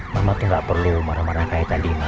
mama tuh gak perlu marah marah kayak tadi ma